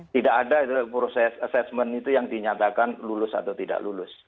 tidak ada proses assessment itu yang dinyatakan lulus atau tidak lulus